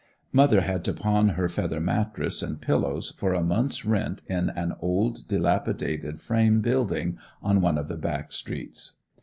Mother had to pawn her feather mattress and pillows for a month's rent in an old delapidated frame building on one of the back streets.